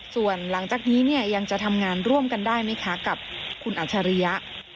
ส่วนหลังจากนี้เนี่ยยังจะทำงานร่วมกันได้ไหมคะกับคุณอัจฉริยะ